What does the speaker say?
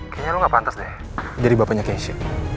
kayaknya lo nggak pantas deh jadi bapaknya keisha